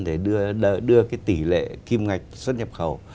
để đưa cái tỷ lệ kim ngạch xuất nhập khẩu